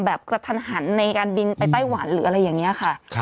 กระทันหันในการบินไปไต้หวันหรืออะไรอย่างนี้ค่ะ